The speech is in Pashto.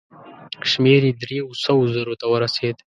شمېر یې دریو سوو زرو ته ورسېد.